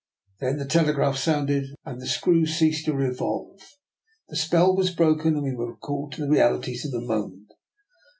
Then the telegraph sounded, and the screw ceased to revolve. The spell was broken, and we were recalled to the realities of the moment.